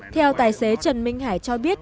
theo tài xế trần minh hải cho biết